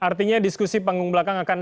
artinya diskusi panggung belakang akan